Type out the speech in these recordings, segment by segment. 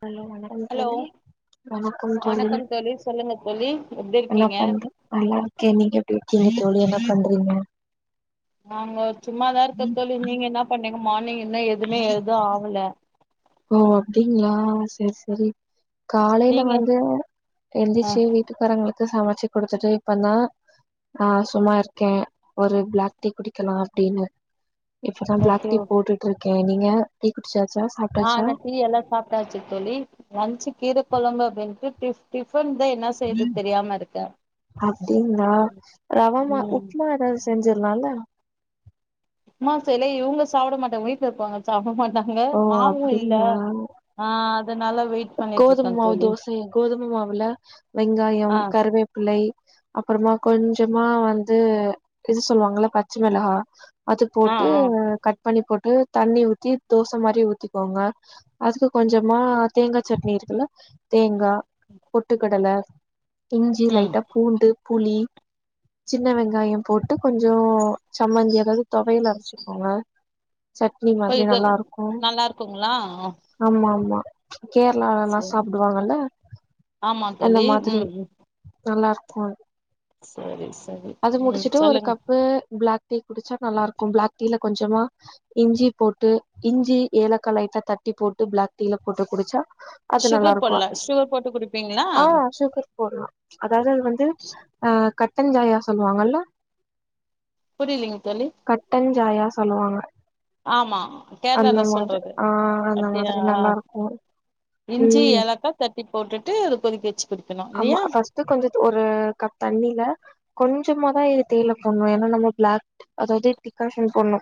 hello வணக்கம் hello தோழி வணக்கம் தோழி வணக்கம் சொல்லுங்க தோழி எப்டி என்ன இருக்கீங்க பண்ற நல்லா இருக்கே நீங்க எப்படி சரிங்க தோழ என்ன பண்றீங்க நாங்க சும்மாதா இருக்க தோழி நீங்க என்ன பண்ணீங்க மார்னிங் என்ன எதுவுமே எழுத ஆகல ஓ அப்படிங்களா சரி சரி காலையில நீங்க வந்து ஆ எந்திச்சு வீட்டுக்காரங்களுக்கு த்து சமைச்சு குடுத்துட்டு இப்பதா ஆஹ் சும்மா இருக்கே ஒரு பிளாக் டீ குடிக்கலா அப்படின்னு இப்பதா பிளாக் ஓகே டீ ஓ போட்டுட்டு இருக்கே நீ நீங்க டீ குடிச்சாச்சா ஆஹ் சாப்ட்டாச்சா ஆனா டீ எல்லா சாப்ட்டாச்சு தோழி லஞ்ச்சு கீர குழம்பு அப்படின்ட்டு [unintelligible] அப்படின்னா ரவமா ம் உப்புமா ஏதாவது செஞ்சிடலால்ல உப்புமா செய்ல இவுங்களு சாப்ட மாட்டாங் வீட்ல இருக்கவுங்களு சாப்ட மாட்டங் ங்க ஓ மாவு இல்ல ஆஹ் கோதுமை மாவு தோசை கோதுமை மாவுல ஆ வெங்காயம் கருவேப்பிலை அப்புறமா கொஞ்சமா வந்து இது சொல்லுவாங்கள பச்சை மிளகா அது ஆ போட்டு ஆ கட் பண்ணி போட் டு தண்ணி ஊத்தி தோச மாரி ஊத்திக்கோங்க அதுக்கு கொஞ்சமா தேங்கா சட்னி இருக்குல்ல தேங் கா பொட்டுக்கடல இஞ்சி ம் லைட்டா பூண்டு புளி சின்ன வெங்காயம் போட்டு கொஞ்சோ சம்மஞ்ஜி அதாவது தொவையல் அரச்சிக்கோங்க சட்னி இப்ப மாதிரி நல்லா இதெல்லா இருக்கு நல்லா இருக்குங்களா ஆமா ஆமா கேரளால எல்லா சேரி சாப்பிடுவாங்கல்ல ஆமா அந்த தோழி ம் மாதிரி ம் நல்லா இருக்கு அது சரி சரி உம் முடிச்சுட்டு ஒரு சொல்லுங் கப்பு பிளாக் டீ குடிச்சா நல்லா இருக்கு பிளாக் டீல கொஞ்சமா இஞ்சி போட்டு இஞ்சி ஏலக்கா லைட்டா தட்டி போட்டு பிளாக் டீல போட்டு குடிச்சா அது நல்லா சுகர் இருக்கு போடல சுகர் போட்டு குடிப்பீங்களா ஆஹ் சுகர் போடலா அதாவது அது வந்து ஆ கட் டஞ்சாயா சொல்லுவாங்கல்ல புரிலிங் தோழி கட்டன் சாயா சொல்லுவாங்க ஆமா அந்த கேர்ளால மாதிரி சொல்றது ஆ அந்த அப்டியா மாதிரி நல்லா இருக்கும் இஞ்சி ம் ஏலக்கா தட்டி போட்டுட்டு அது கொதி வெச் ஆமா ஃபஸ்ட்டு கொஞ்சத் ஒரு கப் தண்ணில கொஞ்சமா தா இது தீல போட்ணு ஏன்னா நம்ம பிளாக் அதாவது டிகாஷன் போட்ணு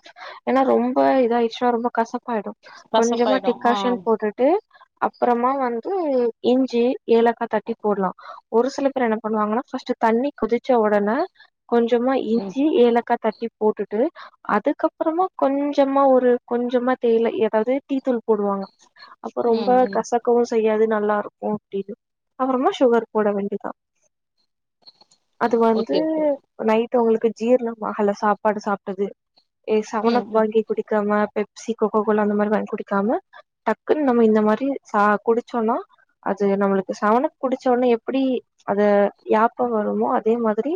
ஏன்னா ரொம்ப இதாய்ச்சுனா ரொம்ப கச ப்பாய்டு கொஞ்சமா கசப்பாயிடு ஆ டிகாஷன் போட்டுட்டு அப்பறமா வந்து இஞ்சி ஏலக்கா தட் டி போட்லா ஒரு சில பேர் என்ன பண்ணுவாங்கன்னா ஃபஸ்ட்டு தண்ணி கொதிச்ச ஒடன கொஞ்சமா ம் இஞ்சி ஏலக்கா தட்டி போட்டு டு அதுக்கப்பறமா கொஞ்சமா ஒரு கொஞ்சமா தேய்ல எதாவ்து டீத்தூள் போடுவாங்க ச்ச் அப்போ ரொம்ப ம் ம் கசக்கவு செய்யாது நல்லாருக்கு டீ [unintelligible] அபறமா சுகர் போட வேண்டிதா அது வந்து ஓகே ஓகே நைட் டு உங்குளுக்கு ஜீரணம் ஆகல சாப்பாடு சாப்ட்டது ஏ ம் செவனப் ம் வாங்கி குடிக்காமா பெப் சீ கொக்கோகோலா அந்த மாரி வாங்கி குடிக்காம டக்குன்னு நம்ம இந்த மாரி சா குடிச்சோன்னா அது நம்மளுக்கு செவனப் குடிச்சோ ஒட்னே எப்பிடி அது யாப்ப வருமோ அதே மாதிரி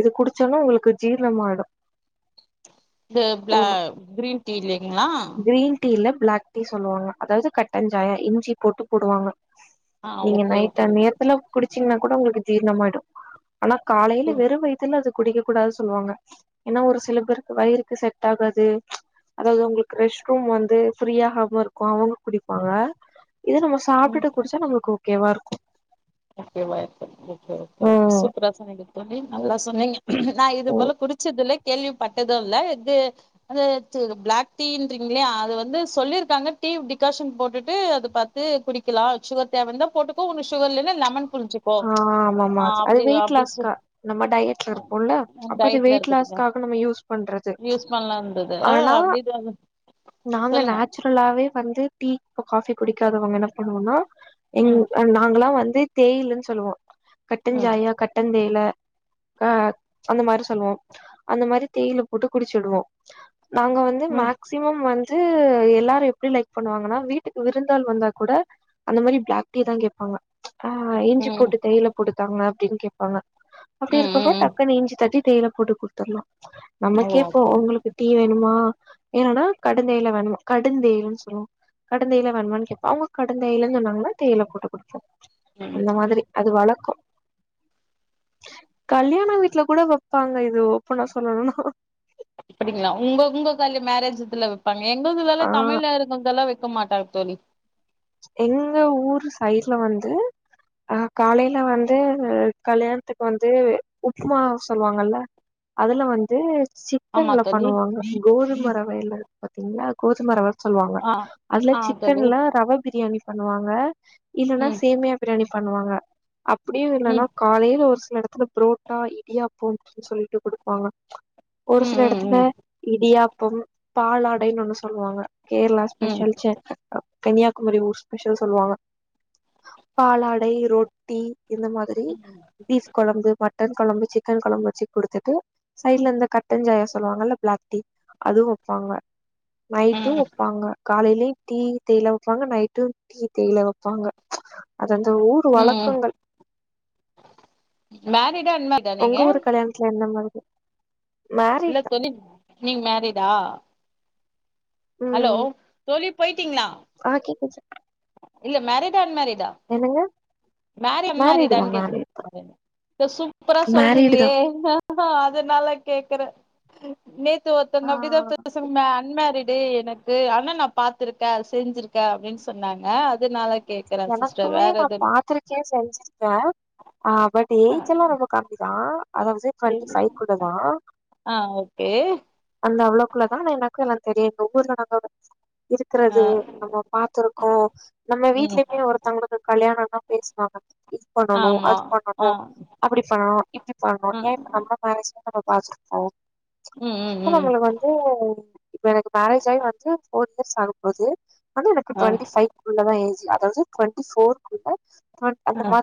இது குடிச்சொன்ன உங்களுக்கு ஜீர்ணமாய்டு த ப்ள க்ரீன் டீயில்லங்களா ப்ளாக் டீ சொல்லுவாங்க அதாவது கட்டஞ்சாயா இஞ்சி போட்டு போடுவாங்க ஆஹ் ஓகே ஓக் த நேரத்துல குடிச் ச்சினாங் கூட உங்களுக்கு ஜீர்ணமாயிடு ஆனா காலையில ம் வெறு வயித்துல அது குடிக்க கூடாது சொல்லுவாங்க ஏன்னா ஒரு சில பேருக்கு வயிருக்கு செட் ஆகாது அதாவது உங்களுக்கு ரெஷ்ட் ரூம் வந்து ஃப்ரீயாகாம இருக்கு அவங்க குடிப்பாங்க இத நம்ம சாப்டுட்டு குடிச்சா நம்மளுக்கு ஓகே வா இருக் ஓகே வா இருக்கு ஓகே ஓகே ஓகே ம் சூப்பரா சொன்னிங்க தோழி நல்லா சொன்னீங்க நா இது ம் போல குடிச்சதுல்ல கேள்விப்பட்டது இல்ல இது இது பிளாக் டீன்ரிங்களே அது வந்து சொல்லிருக்காங்க டீ டிகாஷன் போட்டுட்டு அத பாத்து குடிக்கலா சுகர் தேவ இருந்தா போட்டுக்கோ ஒன்னு சுகர் இல்லன்னா லெமன் புழிஞ்சுக்கோ ஆஹ் ஆமா ஆமா ஆ அது அப்டி வெயிட் அப்டி சொ லாஸ்க்க நம்ம டயட்ல இருப்போல்ல அப்ப அது டயட்ல வெயிட் இருக்குதுங்க லாஸ்க்காக நம்ம யூஸ் பண்றது யூஸ் பண்ணலா இருந்தது ஆனா அப்டி நாங்க சொல்லுங்க நேச்சுரலாவே வந்து டீ இப்ப காஃபி குடிக்காதவங்க என்ன பண்ணுவனா எங் ம் நாங்கலா வந் தி தேயிலன் சொ சொல்லுவோம் ம் கட்டஞ்சாயா கட்டன் தேயில க அந்த மாரி சொல்லுவோம் அந்த மாரி தேயில போட்டு குடிச்சிடுவோம் நாங்க வந்து ம் மேக்சிமம் வந் து எல்லாரு எப்படி லைக் பண்ணுவாங்கனா வீட்டுக்கு விருந்தால் வந்தா கூட அந்த மாரி ப்ளாக் டீ தா கேப்பாங்க அஹ் ம் போட்டு தேயில போட்டுதாங்க ப்டின்னு கேப்பாங்க அப்டி ம் ம் இருக்கப்ப ம் டக்குனு இஞ்சி தட்டி தேயில குடு குடுத்தர்லா ஓ நமக்கே இப்ப ஓகே உங்களுக்கு டீ வேணுமா என்னன்னா கடுந்தேயில வேனுமா கடுந்தேயிலன் சொல்லுவோ கடுந்தேயில வேணுமான் கேப்போ அவங்க கடுந்தேயிலன் சொன்னாங்கன்னா தேயில போட்டு கொடுப்போம் ம் அந்த மாத்ரி வழக்கோ கல்யாண வீட்டுல கூட வப்பாங்க இது ஓப்பனா சொல்லணும்னா அப்படிங்ளா உங்க உங்க கல் மேரேஜுத்ல எங்கள்துலெலா ஆ தமிழ்ல இருக்கதல்லா வெச் க்க மாட்டா தோழி எங்க ஊரு சைடுல வந்து அ காலைல வந்து கல்யாணத்துக்கு வந்து உப்மா சொல்வாங்கல்ல அதுல வந்து ஆமா சிக்கன்ல தோழி பண்ணுவாங்க கோதும ரவைல பாத்தீங்ன்னா கோதும ரவ சொல்லுவாங்க ஆ அதுல ஆ தோழி சிக்கன்ல ரவை பண்ணி பண்ணுவாங்க இல்லன்னா ம் சேமியா பிரியாணி பண்ணுவாங்க அப்படியு இல்லைன்னா ம் காலையில ஒரு சில எடத்துல புரோட்டா இடியாப்போம்னு சொல்லிட்டு குடுப்பாங்க ஒரு ம் சில எடத்துல ம் இடியா அப் [unintelligible] பாலாடைன்னு ஒண்ணு சொல்லுவாங்க கேரளா ம் ஸ்பெஷல் செக் [unintelligible] கன்னியா [unintelligible] ஸ்பெஷல் சொல்வாங்க பாலாடை ரொட்டி இந்த மாதிரி பீஃப் கொழம்பு மட் டன் கொழம்பு சிக்கன் கொழம்பு வச்சு குடுத்துட்டு சைட்ல இந்த கட்டஞ்சாயா சொல்லுவாங்கல்ல பிளாக் டீ அது வெப்பாங்க ம் நைட்டு ம் வெப்பாங்க காலைலி டீ தேய்ல வப்பாங்க நைட்டு டீ தேய்ல வெப்பாங்க அது அந்த ஊரு ம் வழக்கங்கள் மேரிடா அன்மேரிடா உங்க நீங்க ஊரு கல்யாணத்துல என்ன மாதி இல்ல [inaudible] நீங் மேரிடா ஹலோ தோழி போய்ட்டீங்களா ஆஹ் கேக்குச்சு இல்ல மேரிடா அன் மேரி டா மேரி அன் மேரிடு தா மேரிடான் கேட்ட மேரிடு தா [unintelligible] சூப்பரா மேரிடு சொல்றீங்களே தா அதனால கேக்கற ம் மே [unintelligible] ஆ ஒருத்தங்க அப்படிதா [inaudible] இல்ல மே அன்மேரிட் டி எனக்கு ஆனா நா பாத்துருக்கே செஞ்சிருக்கே அப்டின் சொன்னாங்க அதனால கேக்குறே சிஸ்டர் எனக்குமே வேற நா எது இல்ல பாத்துருக்கே செஞ்சிருக்கே ஆஹ் பட் ஆ ஏஜ் எல்லா ரொம்ப கம்மி தா அதாவ்து ட்வெண்டி ஃபைக்குள்ள தா ஆ ஓகே அந்த அவ்ளோ குள்ள தா ஆனா எனக்கு எல்லா தெரியு எங்க ஊர்ல [inaudible] ஆ இருக்கறது நம்ம பாத்திருக்கோ நம்ம வீட் ம் [inaudible] ஒருத்தவ்ங்ளுதுக் கல்யாணோ ஆனா பேசுவாங்க இது பண்ணனு ஆமா அது பண்ணனு ஆ அப்டி பண்ணனு இப்டி பண்ணனு ஆ ஏ இப்ப [unintelligible] மேரேஜ் [inaudible] பாத்துப்போ ம் ம் அப்ப ம் நம்மள வந்து இப்ப எனக்கு மேரேஜ் ஆய் வந்து ஃபோர் இயர்ஸ் ஆக போது வந்து எனக்கு ஆ ட்வெண்டி ஃபைகுள்ளதா ஏஜு அப் தௌசண்ட் டுவெண்டி ஃபோர் குள்ள அஹ்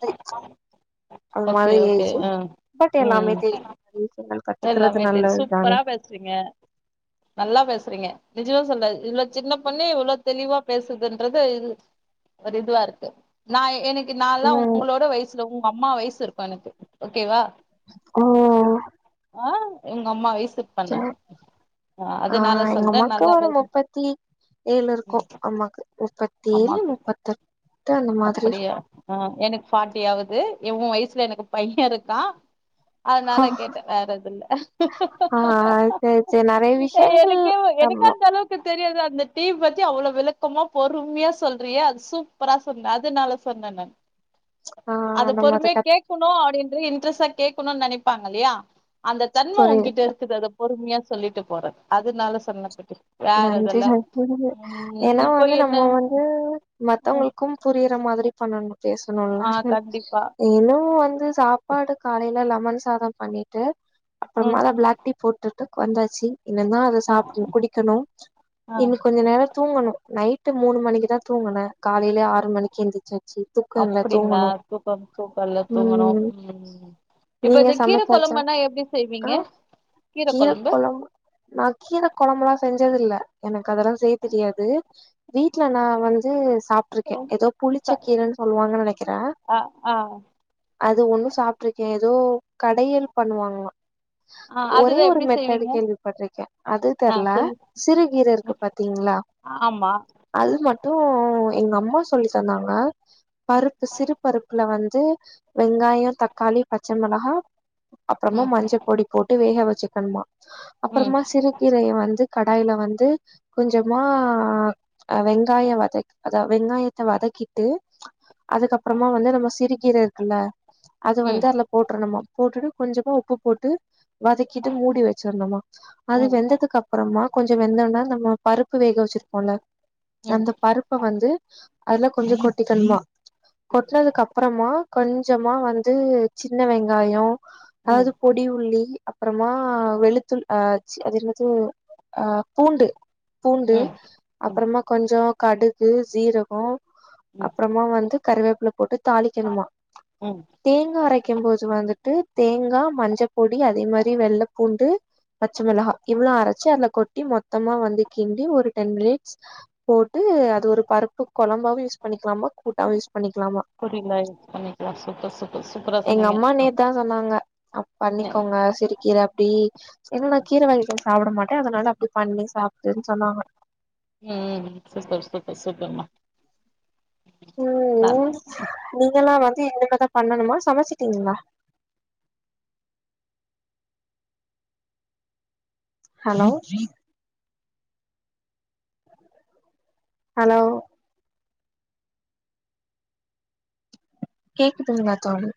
அந்த ஓகே மாதிரி ஓகே ஏஜ் அஹ் பட் உம் எல்லாமே தெரியு ம் விஷயங்கள் கத்துக்கறது எல்லாமே‌ தெரியு நல்லது தானே சூப்பரா பேசறீங்க நல்லா பேசறீங்க நெஜமா சொல்றே இவ்ளோ சின்ன பொண்ணே இவ்ளோ தெளிவா பேசுதுன்றது இது ஒரு இதுவா இருக்கு நா எனக் நால்லா ம் உங்களோட வயசுல உ உங் அம்மா வயசு இருக்கு எனக்கு ஓகேவா ஓ ஆஹ் உங்கம்மா வயஸ் ஆ சொல்றே எங்கம்மாக்கு நல்லா ஒரு பேசு முப்பத்தி ஏழு ம் இருக்கும் அம்மாக்கு முப்பத்தி ஏழு அம்மாக்கு முப்பத்த அப்படியா ஆ எனக்கு ஃபாட்டி ஆகுது து உன் வயசுல எனக்கு பையன் இருக்கான் அதனால கேட்டேன் வேற எது இல்ல ஆ சரி சரி நெறைய விஷயங்கள் எனக்கே எனக்கே ஆமா அந்த அளவுக்கு தெரியாது அந்த டீ பத்தி அவ்ளோ‌ விளக்கமா பொறுமையா சொல்றியே அது சூப்பரா சொன்னஅதனால சொன்னேன் நான் ஆ அத நம்ம பொறுமையா கத் கேக்கணும் அப்படின்ற இன்ட்ரெஸ்டா கேட்கணும்னு நெனைப்பாங்க இல்லையா அந்த தன்மை உங்கிட்ட புரியுது இருக்குது பொறுமையா சொல்லிட்டு போறேன் அதுனால சொன்ன [unintelligible] நன்றி எதுல்ல நன்றி ம் ஏன்னா இப்போ வந்து என்ன நம்ம வந்து ம் மத்தவங்களுக்கும் புரியற மாதிரி பண்ணணும் பேசணும்ல ஆ கண்டிப்பா இன்னும் வந்து சாப்பாடு காலையில லெமன் சாதம் பண்ணிட்டு அப்புறமா ம் அதான் பிளாக் டீ போட்டுட்டு வந்தாச்சுசு என்ன தான் அதை ஆ சாப்ட் குடி க்கணும் ஆ இனி கொஞ்சம் நேரம் தூங்கணும் நைட்டு மூணு மணிக்கு தான் தூங்குன காலைல ஆறு மணிக்கு எழுந்திச்சு அப்படிங்களா தூக்கம் தூக்கம்ல்ல தூங்கணும் ம் ம் இப்ப நீங்க இந்த கீரை சமைச்சாச்சா குழம்புன்னா எப்படி ஆ செய்வீங்க கீரை கீர குழம்பு கொழம்பு நா கீர கொழம்புலா செஞ்சது இல்ல எனக்கு அதெல்லாம் செய்ய தெரியாது வீட்டு்ல நான் வந்து சாப்ட்டுருக்கேன் ஏதோ புளிச்ச ச கீரைன்னு சொல்லுவாங்கன்னு நினைக்கிறே ஆ ஆ அது ஒண்ணும் சாப்பிட்டுருக்கேன் ஏதோ கடையல் பண்ணுவாங்கள ஆ ஒரே அதுதா ஒரு எப்டி மெத்தட செய்வீங்க கேள்வி பட்ருக்கேன் அது ஆ தெரல சொல்லு சிருுகீரை இருக்கு பாத்தீங்களா ஆமா அது மட்டும் எங்க அம்மா சொல்லி தந்தாங்க பருப்பு சிறு பருப்புல வந்து வெங்காயம் தக்காளி பச்சை மொளகா அப்புறமா ம் மஞ்சள் பொடி போட்டு வேக வச்சு க்கன் மா ம் அப்புறமா சிறுகீரைய வந்து கடாயில வந்து கொஞ்சமா ஆ வெங்காயோ வதக் க வெங்காயத்த வதக்கிட்டு அதுக்கப்றமா வந்து நம்ம சிறி கீர இருக்குல்ல அது ம் வந்து அதுல போட்டுரணுமா போட்டுட்டு கொஞ்சமா உப்பு போட்டு வதக்கிட்டு மூடி வச்சிரணுமா அது ம் வெந்ததுக்கப் மா கொஞ்சோ வெந்தோன்ன நம்ம பருப்பு வேக வச்சிருக்கோல்ல ம் ம் அந்த பருப்ப வந்து ஆஹ அதுல கொஞ்சோ கொட்டிக்கணுமா கொட்னதுக்கப்றமா கொஞ் சமா வந்து சின்ன வெங் காயோ அதாது ம் பொடி உள்ளி அப்றமா வெளுத்துள் அ ச் அது என்னது ஆ பூண்டு பூண்டு ம் அப்றமா கொஞ்சோ கடுகு சீரகோ ம் அப்றமா வந்து கருவேப்ல போட்டு தாளிக்கணுமா ம் தேங்கா அரைக் க்கெம் போது வந்துட்டு தேங்கா மஞ்ச பொடி அதே மாரி வெள்ள பூண்டு பச்ச மெளகா இவ்ள அர ச்சு அதல கொட்டி மொத்தமா வந்து கிண்டி ஒரு டென் மினிட்ஸ் போட்டு அது ஒரு பருப்பு கொழம்பாவு யூஸ் பண்ணிக்லாமா புரில அன்னிக்கி சூப்பர் சூப் எங்கம்மா நேத்தா சொன்னாங்க ம் பண்ணிக்கோங்க சிறு கீர அப்டி என்னனா கீர வாங்கிட்டு வந்து சாப்ட மாட் டே அதனால அப்டி பண்ணி சாப்டுன் சொன்னாங்க ம் சூப்பர் சூப்பர் சூப்பர்மா ம் நல் ம் நீங்கெல்லா வந் து இனிமேதா பண்ணணுமா சமச்சுட்டீங்ளா ஹலோ ஹலோ கேக்குதுங்ளா தோழி